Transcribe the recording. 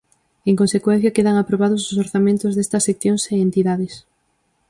En consecuencia, quedan aprobados os orzamentos destas seccións e entidades.